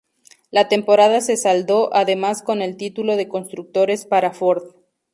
La temporada se saldó además con el título de constructores para Ford.